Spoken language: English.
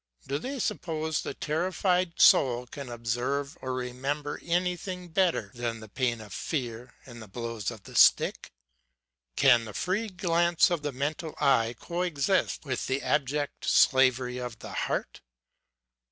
Do they suppose the terrified soul can observe or remember anything better than the pain of fear, and the blows of the stick ? Can the free glance of the mental eye coexist with the abject slavery of the heart?